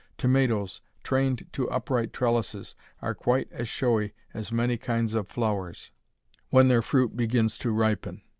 Tomatoes, trained to upright trellises, are quite as showy as many kinds of flowers, when their fruit begins to ripen.